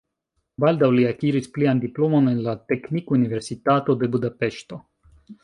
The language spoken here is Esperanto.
Baldaŭ li akiris plian diplomon en la Teknikuniversitato de Budapeŝto.